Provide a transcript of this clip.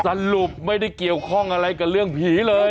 สรุปไม่ได้เกี่ยวข้องอะไรกับเรื่องผีเลย